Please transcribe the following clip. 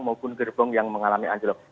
maupun gerbong yang mengalami anjlok